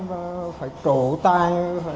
và phải trổ tài